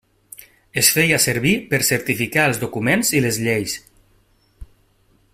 Es feia servir per certificar els documents i les lleis.